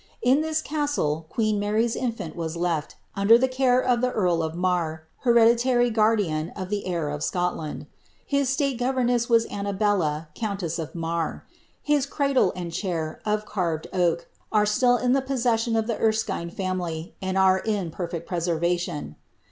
In this castle queen Mary's infant was left, under the care of the earl of Marr, hereditary guardian of the heir of Scotland. His state governess was Annabella, countess of Marr. His cradle and chair, of carved oak, are still in the possession of the Erskine ftunily, and are ia perfect preservation.